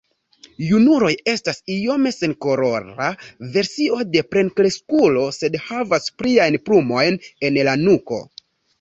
Junuloj estas iome senkolora versio de plenkreskulo sed havas pliajn plumojn en la nuko.